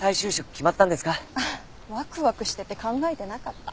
ワクワクしてて考えてなかった。